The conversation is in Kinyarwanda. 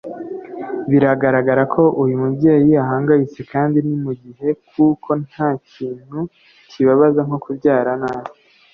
Biragaragara ko uyu mubyeyi ahangayitse kandi ni mu gihe kuko nta kintu kibabaza nko kubyara nabi